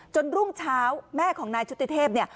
จนรุ่งเช้าแม่ของนายชุติเทพ